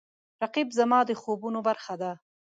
رقیب زما د خوبونو برخه ده